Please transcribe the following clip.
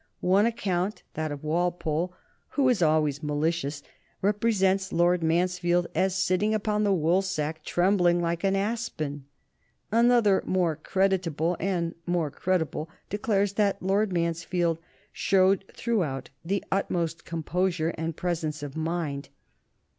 One account, that of Walpole, who is always malicious, represents Lord Mansfield as sitting upon the woolsack trembling like an aspen. Another, more creditable and more credible, declares that Lord Mansfield showed throughout the utmost composure and presence of mind.